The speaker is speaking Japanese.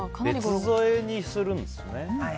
別添えにするんですね。